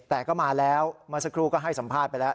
แต่ก็มาแล้วเมื่อสักครู่ก็ให้สัมภาษณ์ไปแล้ว